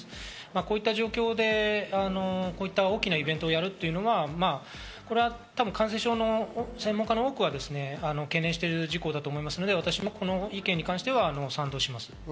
こういった状況でこういった大きなイベントをやるというのは、多分、感染症の専門家の多くは懸念している事項だと思うので、私もこの意見に関しては賛同します。